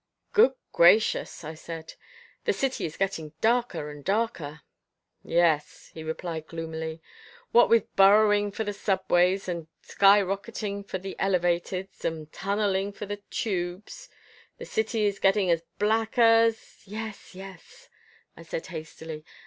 "Good gracious!" I said. "The city is getting darker and darker." "Yes," he replied gloomily, "what with burrowing for the subways, and sky rocketing for the elevateds, and tunnelling for the tubes, the city is getting to be as black as " "Yes, yes," I said hastily.